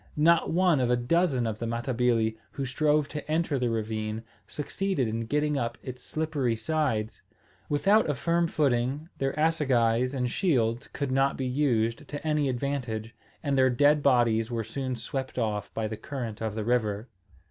Not one of a dozen of the Matabili, who strove to enter the ravine, succeeded in getting up its slippery sides. Without a firm footing their assegais and shields could not be used to any advantage; and their dead bodies were soon swept off by the current of the river.